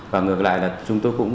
và ngược lại là chúng tôi cũng